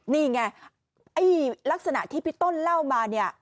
นี่ไงลักษณะที่พี่ต้นเล่ามา